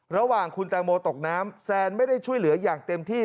ระหว่างคุณแตงโมตกน้ำแซนไม่ได้ช่วยเหลืออย่างเต็มที่